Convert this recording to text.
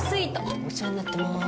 お世話になってます。